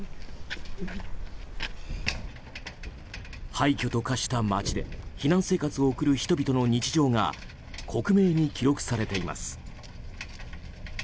廃墟と化した街で避難生活を送る人々の日常が克明に記録されています。